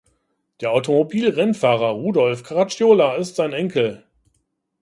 Der Automobilrennfahrer Rudolf Caracciola ist sein Enkel.